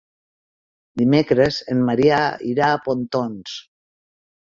Dimecres en Maria irà a Pontons.